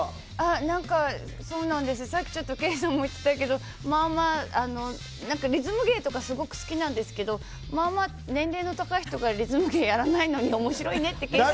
さっきケイさんも言ってたけどリズム芸とかすごく好きなんですけどまあまあ年齢の高い人がリズム芸やらないのに面白いねって。